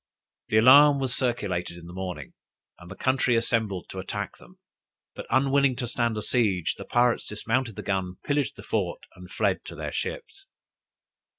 The alarm was circulated in the morning, and the country assembled to attack them; but, unwilling to stand a siege, the pirates dismounted the guns, pillaged the fort, and fled to their ships.